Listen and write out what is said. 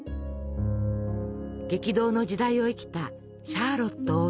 激動の時代を生きたシャーロット王妃。